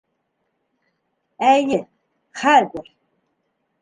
Эйе, хәҙер!